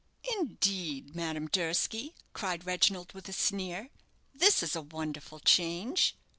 "Indeed, Madame Durski!" cried Reginald, with a sneer; "this is a wonderful change."